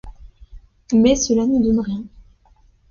Mais cela ne donne rien.